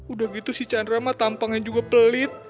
udah gitu sih chandra mah tampangnya juga pelit